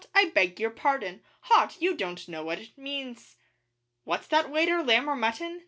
I beg your pardon. Hot! you don't know what it means. (What's that, waiter? lamb or mutton!